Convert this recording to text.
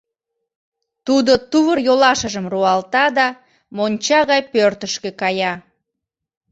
Тудо тувыр-йолашыжым руалта да, монча гай пӧртышкӧ кая.